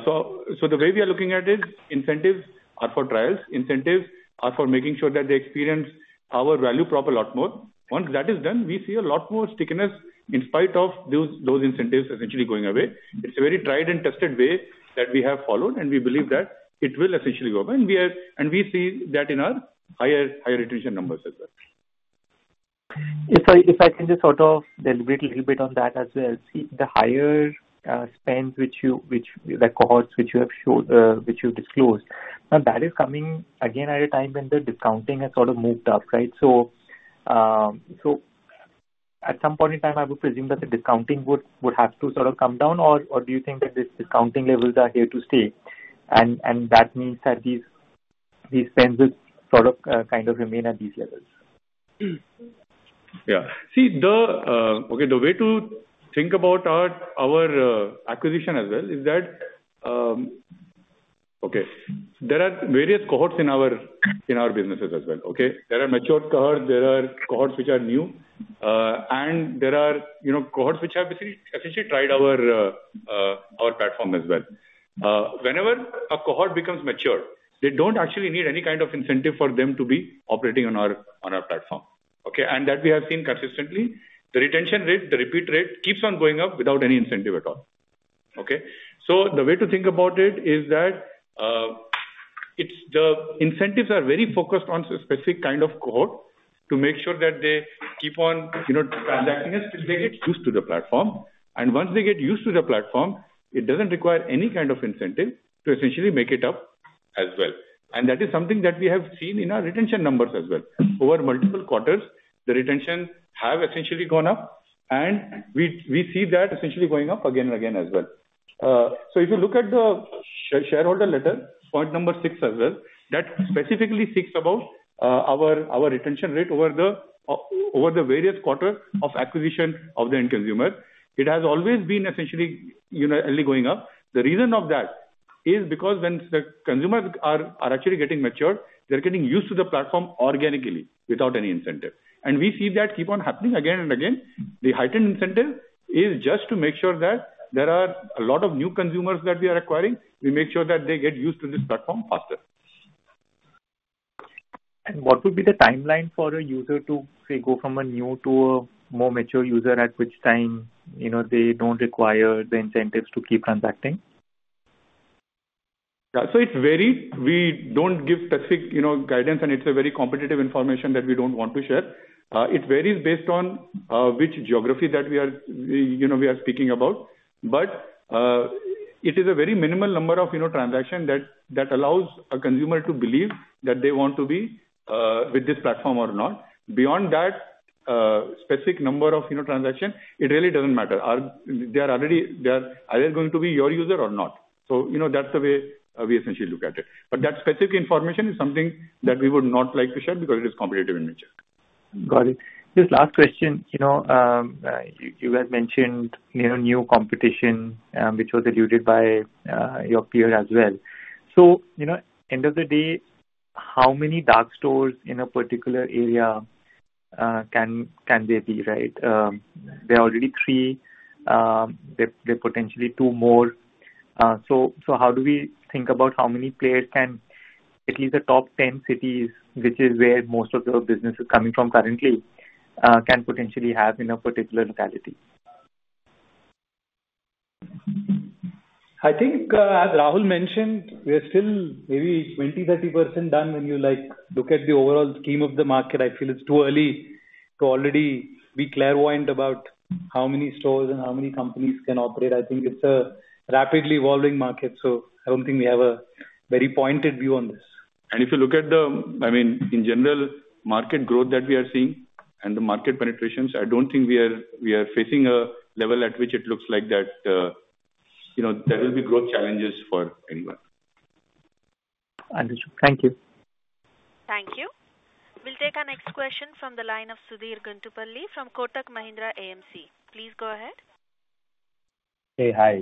The way we are looking at it is incentives are for trials. Incentives are for making sure that they experience our value prop a lot more. Once that is done, we see a lot more stickiness in spite of those incentives essentially going away. It's a very tried and tested way that we have followed, and we believe that it will essentially go away. We see that in our higher retention numbers as well. If I can just sort of deliberate a little bit on that as well. See, the higher spends, the cohorts which you have disclosed, that is coming again at a time when the discounting has sort of moved up, right? At some point in time, I would presume that the discounting would have to sort of come down, or do you think that these discounting levels are here to stay? That means that these spends will sort of kind of remain at these levels. Yeah. See, okay, the way to think about our acquisition as well is that, okay, there are various cohorts in our businesses as well, okay? There are mature cohorts. There are cohorts which are new, and there are cohorts which have essentially tried our platform as well. Whenever a cohort becomes mature, they do not actually need any kind of incentive for them to be operating on our platform, okay? That we have seen consistently. The retention rate, the repeat rate, keeps on going up without any incentive at all, okay? The way to think about it is that the incentives are very focused on a specific kind of cohort to make sure that they keep on transacting until they get used to the platform. Once they get used to the platform, it does not require any kind of incentive to essentially make it up as well. That is something that we have seen in our retention numbers as well. Over multiple quarters, the retention has essentially gone up, and we see that essentially going up again and again as well. If you look at the shareholder letter, point number six as well, that specifically speaks about our retention rate over the various quarters of acquisition of the end consumer. It has always been essentially only going up. The reason for that is because when the consumers are actually getting matured, they are getting used to the platform organically without any incentive. We see that keep on happening again and again. The heightened incentive is just to make sure that there are a lot of new consumers that we are acquiring. We make sure that they get used to this platform faster. What would be the timeline for a user to, say, go from a new to a more mature user at which time they don't require the incentives to keep transacting? Yeah. So it varies. We do not give specific guidance, and it is very competitive information that we do not want to share. It varies based on which geography that we are speaking about. It is a very minimal number of transactions that allows a consumer to believe that they want to be with this platform or not. Beyond that specific number of transactions, it really does not matter. They are either going to be your user or not. That is the way we essentially look at it. That specific information is something that we would not like to share because it is competitive in nature. Got it. Just last question. You had mentioned new competition, which was alluded by your peer as well. End of the day, how many dark stores in a particular area can there be, right? There are already three. There are potentially two more. How do we think about how many players can, at least the top 10 cities, which is where most of the business is coming from currently, can potentially have in a particular locality? I think, as Rahul mentioned, we are still maybe 20%-30% done when you look at the overall scheme of the market. I feel it's too early to already be clairvoyant about how many stores and how many companies can operate. I think it's a rapidly evolving market, so I don't think we have a very pointed view on this. If you look at the, I mean, in general, market growth that we are seeing and the market penetrations, I don't think we are facing a level at which it looks like that there will be growth challenges for anyone. Understood. Thank you. Thank you. We'll take our next question from the line of Sudheer Guntupalli from Kotak Mahindra AMC. Please go ahead. Hey, hi.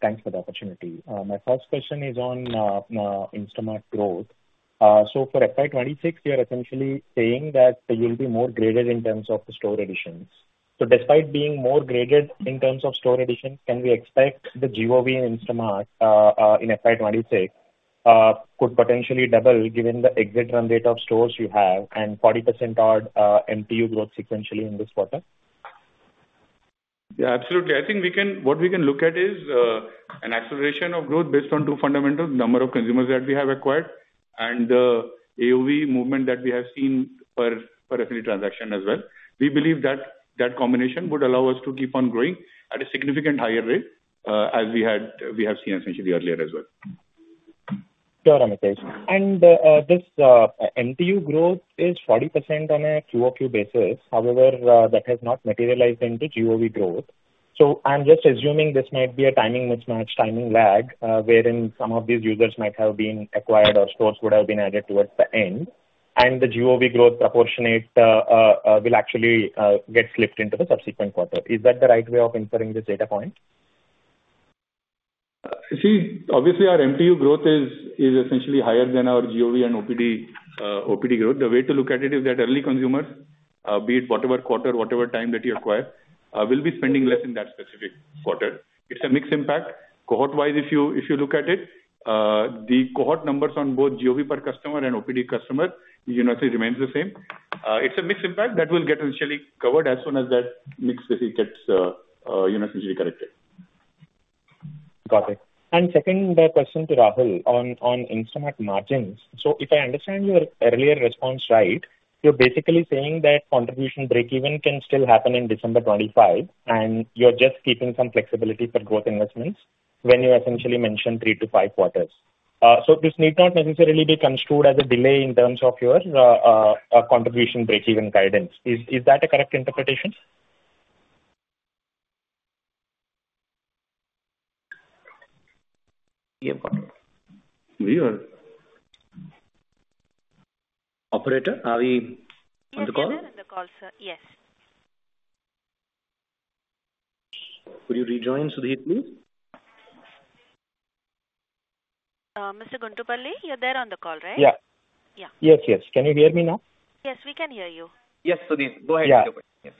Thanks for the opportunity. My first question is on Instamart growth. For FY 2026, you're essentially saying that you'll be more graded in terms of the store additions. Despite being more graded in terms of store additions, can we expect the GOV in Instamart in FY 2026 could potentially double given the exit run rate of stores you have and 40% odd MTU growth sequentially in this quarter? Yeah, absolutely. I think what we can look at is an acceleration of growth based on two fundamentals: the number of consumers that we have acquired and the AOV movement that we have seen per every transaction as well. We believe that that combination would allow us to keep on growing at a significantly higher rate as we have seen essentially earlier as well. Got it. This MTU growth is 40% on a QoQ basis. However, that has not materialized into GOV growth. I'm just assuming this might be a timing mismatch, timing lag, wherein some of these users might have been acquired or stores would have been added towards the end, and the GOV growth proportionate will actually get slipped into the subsequent quarter. Is that the right way of inferring this data point? See, obviously, our MTU growth is essentially higher than our GOV and OPD growth. The way to look at it is that early consumers, be it whatever quarter, whatever time that you acquire, will be spending less in that specific quarter. It is a mixed impact. Cohort-wise, if you look at it, the cohort numbers on both GOV per customer and OPD per customer remains the same. It is a mixed impact that will get essentially covered as soon as that mix gets essentially corrected. Got it. Second question to Rahul on Instamart margins. If I understand your earlier response right, you're basically saying that contribution break-even can still happen in December 2025, and you're just keeping some flexibility for growth investments when you essentially mentioned three to five quarters. This need not necessarily be construed as a delay in terms of your contribution break-even guidance. Is that a correct interpretation? You've got it. We are. Operator, are we on the call? You're still on the call, sir. Yes. Could you rejoin, Sudheer, please? Mr. Guntupalli, you're there on the call, right? Yeah. Yeah. Yes, yes. Can you hear me now? Yes, we can hear you. Yes, Sudheer. Go ahead. Yeah. Yes.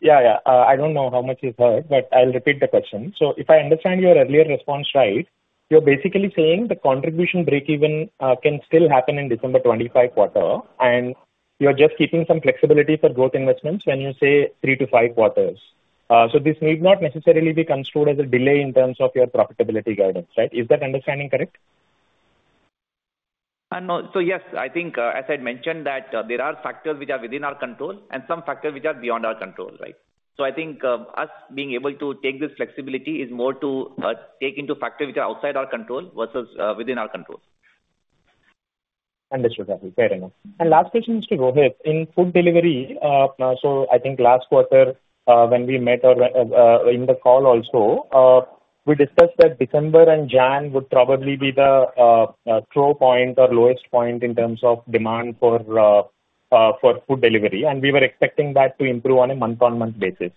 Yeah, yeah. I do not know how much is heard, but I will repeat the question. If I understand your earlier response right, you are basically saying the contribution break-even can still happen in December 2025 quarter, and you are just keeping some flexibility for growth investments when you say three to five quarters. This need not necessarily be construed as a delay in terms of your profitability guidance, right? Is that understanding correct? Yes, I think, as I mentioned, that there are factors which are within our control and some factors which are beyond our control, right? I think us being able to take this flexibility is more to take into factor which are outside our control versus within our control. Understood, Rahul. Fair enough. Last question to Rahul. In food delivery, I think last quarter when we met in the call also, we discussed that December and January would probably be the trough point or lowest point in terms of demand for food delivery. We were expecting that to improve on a month-on-month basis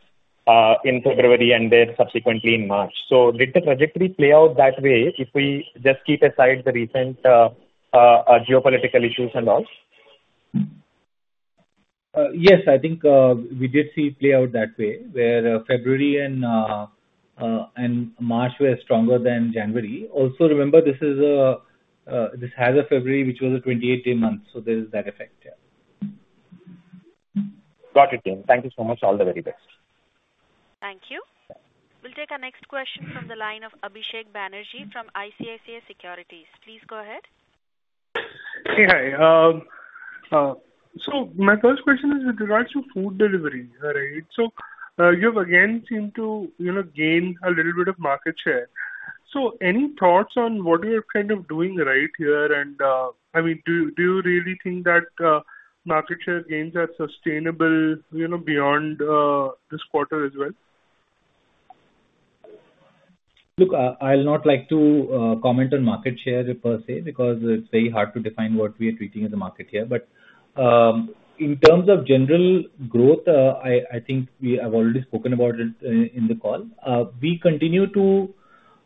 in February and then subsequently in March. Did the trajectory play out that way if we just keep aside the recent geopolitical issues and all? Yes, I think we did see it play out that way where February and March were stronger than January. Also, remember, this has a February, which was a 28-day month. So there is that effect, yeah. Got it, James. Thank you so much. All the very best. Thank you. We'll take our next question from the line of Abhisek Banerjee from ICICI Securities. Please go ahead. Hey, hi. My first question is with regards to food delivery, right? You have again seemed to gain a little bit of market share. Any thoughts on what you're kind of doing right here? I mean, do you really think that market share gains are sustainable beyond this quarter as well? Look, I'll not like to comment on market share per se because it's very hard to define what we are treating as a market here. In terms of general growth, I think we have already spoken about it in the call. We continue to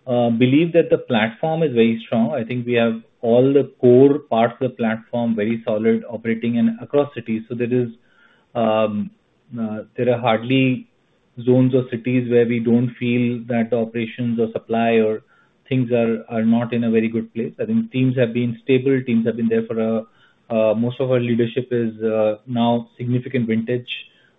believe that the platform is very strong. I think we have all the core parts of the platform very solid operating across cities. There are hardly zones or cities where we don't feel that the operations or supply or things are not in a very good place. I think teams have been stable. Teams have been there for a most of our leadership is now significant vintage,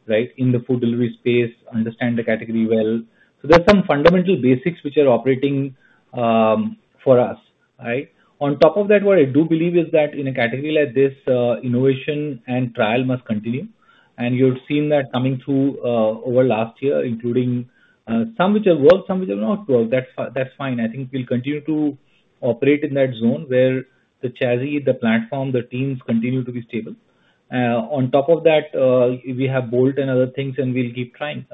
right, in the food delivery space, understand the category well. There are some fundamental basics which are operating for us, right? On top of that, what I do believe is that in a category like this, innovation and trial must continue. You have seen that coming through over last year, including some which have worked, some which have not worked. That is fine. I think we will continue to operate in that zone where the chassis, the platform, the teams continue to be stable. On top of that, we have Bolt and other things, and we will keep trying.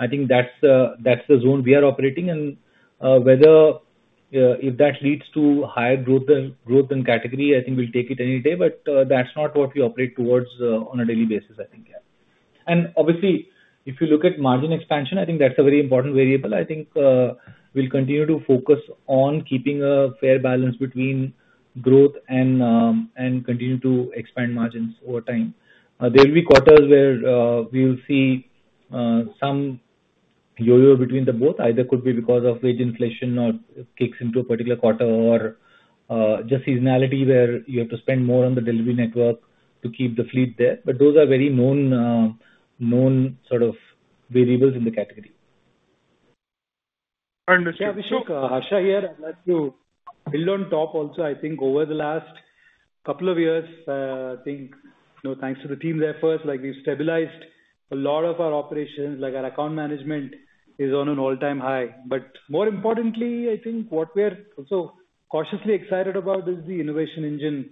I think that is the zone we are operating. Whether if that leads to higher growth in category, I think we will take it any day. That is not what we operate towards on a daily basis, I think, yeah. Obviously, if you look at margin expansion, I think that is a very important variable. I think we will continue to focus on keeping a fair balance between growth and continue to expand margins over time. There will be quarters where we will see some yo-yo between the both. Either could be because of wage inflation or kicks into a particular quarter or just seasonality where you have to spend more on the delivery network to keep the fleet there. Those are very known sort of variables in the category. Understood. Yeah, Abhisek, Harsha here. I'd like to build on top also. I think over the last couple of years, I think thanks to the team's efforts, we've stabilized a lot of our operations. Our account management is on an all-time high. More importantly, I think what we are also cautiously excited about is the innovation engine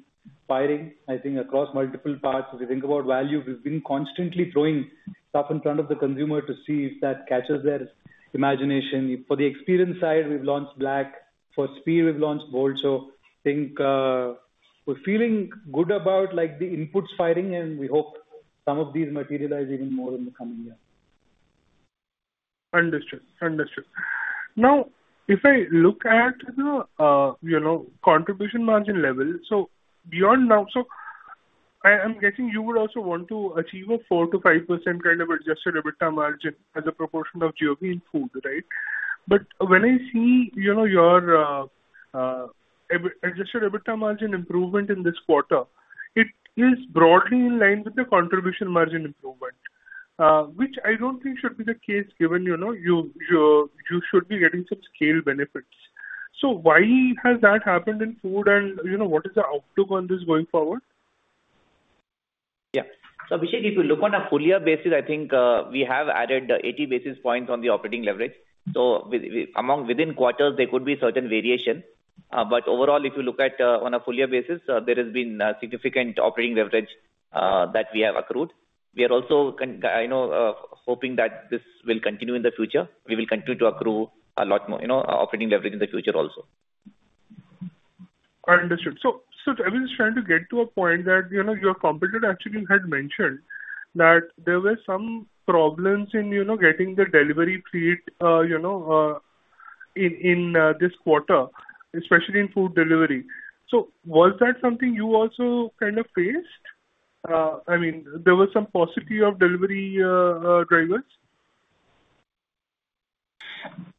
firing, I think, across multiple parts. If you think about value, we've been constantly throwing stuff in front of the consumer to see if that catches their imagination. For the experience side, we've launched Blck. For speed, we've launched Bolt. I think we're feeling good about the inputs firing, and we hope some of these materialize even more in the coming year. Understood. Understood. Now, if I look at the contribution margin level, so beyond now, so I'm guessing you would also want to achieve a 4%-5% kind of adjusted EBITDA margin as a proportion of GOV in food, right? But when I see your adjusted EBITDA margin improvement in this quarter, it is broadly in line with the contribution margin improvement, which I don't think should be the case given you should be getting some scale benefits. Why has that happened in food, and what is the outlook on this going forward? Yeah. So Abhisek, if you look on a full-year basis, I think we have added 80 basis points on the operating leverage. Among quarters, there could be certain variation. Overall, if you look at on a full-year basis, there has been significant operating leverage that we have accrued. We are also hoping that this will continue in the future. We will continue to accrue a lot more operating leverage in the future also. Understood. I was trying to get to a point that your competitor actually had mentioned that there were some problems in getting the delivery fleet in this quarter, especially in food delivery. Was that something you also kind of faced? I mean, there was some paucity of delivery drivers?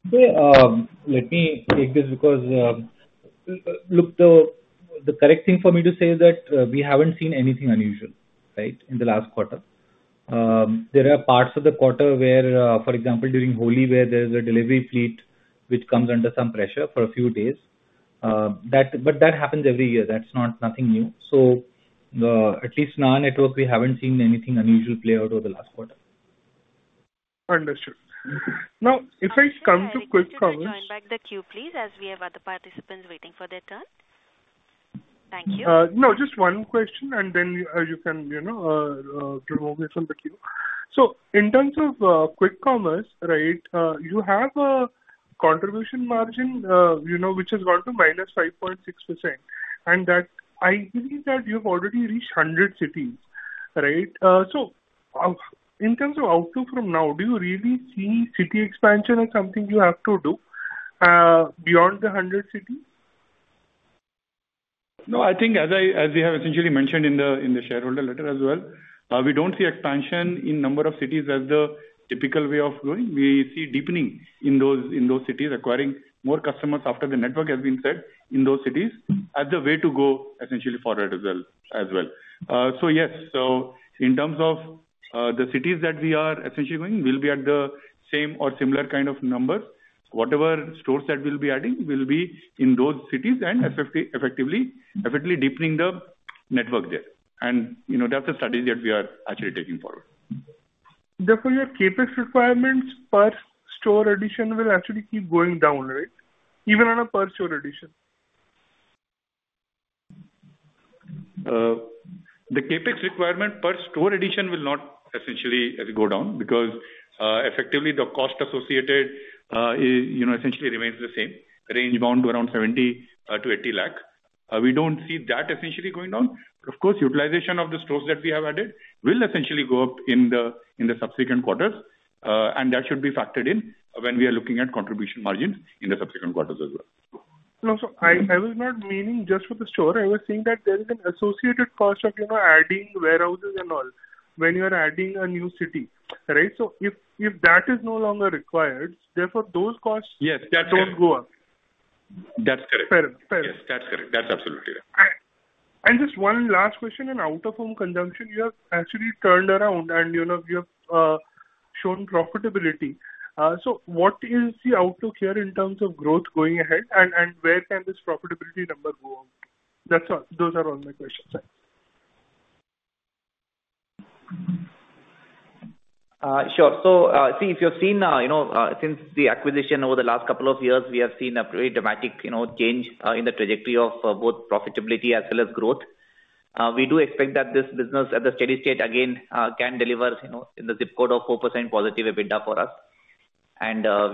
Let me take this because look, the correct thing for me to say is that we haven't seen anything unusual, right, in the last quarter. There are parts of the quarter where, for example, during Holi week, there is a delivery fleet which comes under some pressure for a few days. That happens every year. That is not anything new. At least in our network, we haven't seen anything unusual play out over the last quarter. Understood. Now, if I come to quick commerce? Please join back the queue, please, as we have other participants waiting for their turn. Thank you. No, just one question, and then you can remove me from the queue. In terms of quick commerce, right, you have a contribution margin which has gone to -5.6%. I believe that you have already reached 100 cities, right? In terms of outlook from now, do you really see city expansion as something you have to do beyond the 100 cities? No, I think as we have essentially mentioned in the shareholder letter as well, we do not see expansion in number of cities as the typical way of going. We see deepening in those cities, acquiring more customers after the network has been set in those cities as the way to go essentially forward as well. Yes, in terms of the cities that we are essentially going, we will be at the same or similar kind of numbers. Whatever stores that we will be adding will be in those cities and effectively deepening the network there. That is the strategy that we are actually taking forward. Therefore, your CapEx requirements per store addition will actually keep going down, right? Even on a per store addition? The CapEx requirement per store addition will not essentially go down because effectively the cost associated essentially remains the same, rangebound around 70 lakh-80 lakh. We do not see that essentially going down. Of course, utilization of the stores that we have added will essentially go up in the subsequent quarters. That should be factored in when we are looking at contribution margins in the subsequent quarters as well. No, I was not meaning just for the store. I was saying that there is an associated cost of adding warehouses and all when you are adding a new city, right? If that is no longer required, therefore those costs will not go up. Yes, that's correct. Fair enough. Fair enough. Yes, that's correct. That's absolutely right. Just one last question. In out-of-home consumption, you have actually turned around, and you have shown profitability. What is the outlook here in terms of growth going ahead, and where can this profitability number go out? That is all. Those are all my questions. Sure. If you've seen since the acquisition over the last couple of years, we have seen a pretty dramatic change in the trajectory of both profitability as well as growth. We do expect that this business at the steady state again can deliver in the zip code of 4% positive EBITDA for us.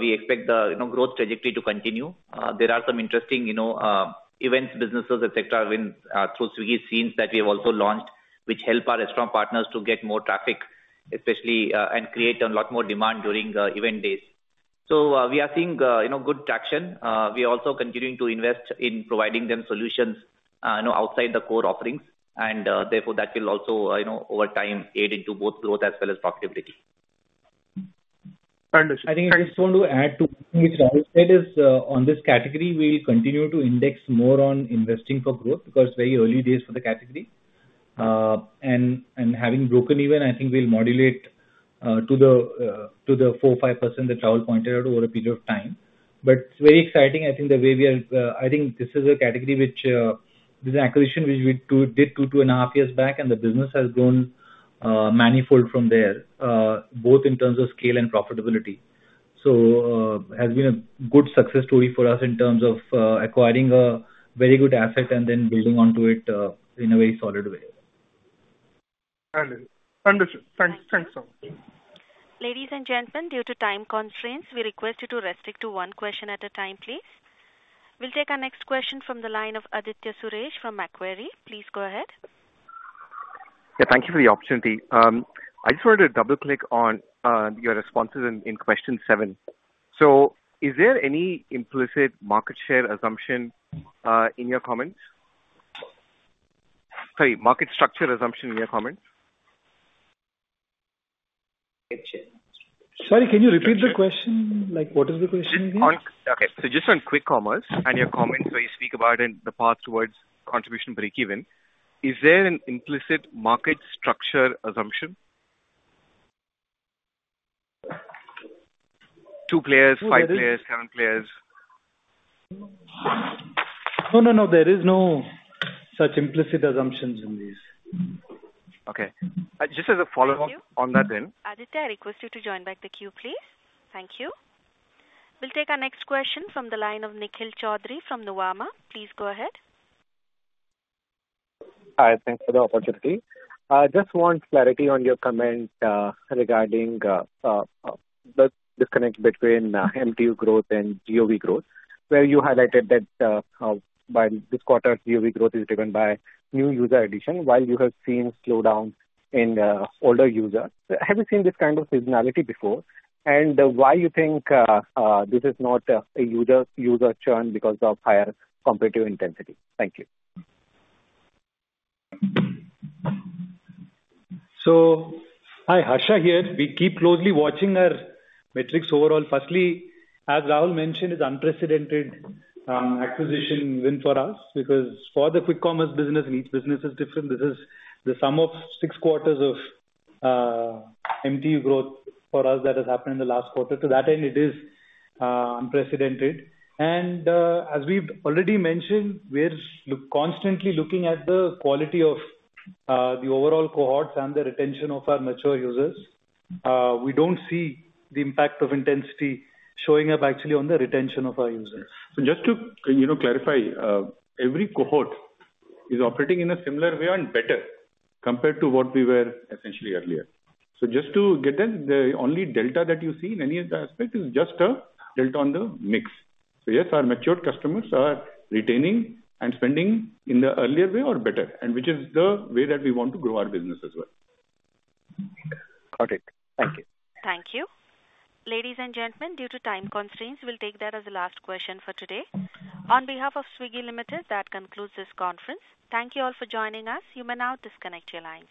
We expect the growth trajectory to continue. There are some interesting events, businesses, etc., through Swiggy's scenes that we have also launched, which help our restaurant partners to get more traffic, especially and create a lot more demand during event days. We are seeing good traction. We are also continuing to invest in providing them solutions outside the core offerings. Therefore, that will also, over time, aid into both growth as well as profitability. Understood. I just want to add to what Rahul said. On this category, we will continue to index more on investing for growth because it is very early days for the category. Having broken even, I think we will modulate to the 4%-5% that Rahul pointed out over a period of time. It is very exciting. I think the way we are—I think this is a category which, this is an acquisition which we did two to two and a half years back, and the business has grown manifold from there, both in terms of scale and profitability. It has been a good success story for us in terms of acquiring a very good asset and then building onto it in a very solid way. Understood. Thanks so much. Ladies and gentlemen, due to time constraints, we request you to restrict to one question at a time, please. We'll take our next question from the line of Aditya Suresh from Macquarie. Please go ahead. Yeah, thank you for the opportunity. I just wanted to double-click on your responses in question seven. Is there any implicit market share assumption in your comments? Sorry, market structure assumption in your comments? Sorry, can you repeat the question? What is the question again? Okay. So just on quick commerce and your comments where you speak about it and the path towards contribution break-even, is there an implicit market structure assumption? Two players, five players, seven players? No, no. There is no such implicit assumptions in these. Okay. Just as a follow-up on that then. Aditya, I request you to join back the queue, please. Thank you. We'll take our next question from the line of Nikhil Chaudhary from Nuvama. Please go ahead. Hi. Thanks for the opportunity. I just want clarity on your comment regarding the disconnect between MTU growth and GOV growth, where you highlighted that while this quarter, GOV growth is driven by new user addition, while you have seen slowdown in older users. Have you seen this kind of seasonality before? Why do you think this is not a user churn because of higher competitive intensity? Thank you. Hi, Asha here. We keep closely watching our metrics overall. Firstly, as Rahul mentioned, it is an unprecedented acquisition win for us because for the quick commerce business, and each business is different, this is the sum of six quarters of MTU growth for us that has happened in the last quarter. To that end, it is unprecedented. As we have already mentioned, we are constantly looking at the quality of the overall cohorts and the retention of our mature users. We do not see the impact of intensity showing up actually on the retention of our users. Just to clarify, every cohort is operating in a similar way and better compared to what we were essentially earlier. Just to get there, the only delta that you see in any of the aspect is just a delta on the mix. Yes, our matured customers are retaining and spending in the earlier way or better, which is the way that we want to grow our business as well. Got it. Thank you. Thank you. Ladies and gentlemen, due to time constraints, we'll take that as the last question for today. On behalf of Swiggy Limited, that concludes this conference. Thank you all for joining us. You may now disconnect your lines.